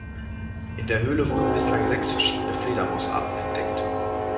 In der Höhle wurden bislang sechs verschiedene Fledermausarten entdeckt.